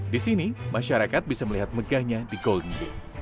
di sini masyarakat bisa melihat megahnya di golden gate